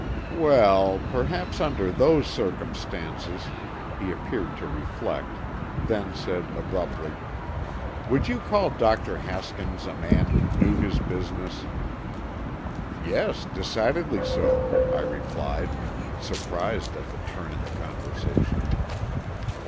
"Well, perhaps under those circumstances " he appeared to reflect, then said abruptly, "Would you call Dr. Haskins a man who knew his business?" "Yes, decidedly so," I replied, surprised at the turn in the conversation.